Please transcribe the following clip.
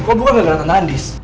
gue bukan gak gara gara tenanis